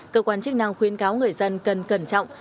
cơ quan chức năng khuyến cáo người dân cần cẩn trọng